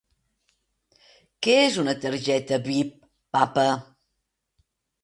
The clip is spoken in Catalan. Què és una targeta Vip, papa?